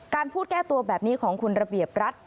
การพูดแก้ตัวแบบนี้ของคุณระเบียบรัฐ